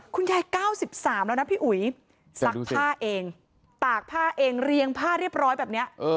๙๓แล้วนะพี่อุ๋ยซักผ้าเองตากผ้าเองเรียงผ้าเรียบร้อยแบบนี้